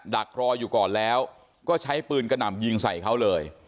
ดักรออยู่ก่อนแล้วก็ใช้ปืนกระหน่ำยิงใส่เขาเลย